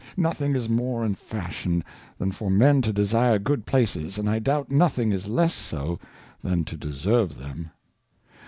Nothing is more in fashion, than for men to desire good Places, and I doubt nothing is less so than to deserve them.